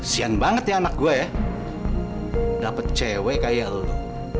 sian banget ya anak gue ya dapat cewek kayak lulu